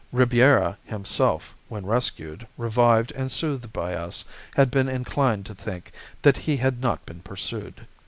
Ribiera himself, when rescued, revived, and soothed by us, had been inclined to think that he had not been pursued.